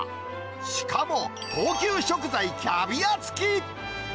しかも、高級食材、キャビア付き。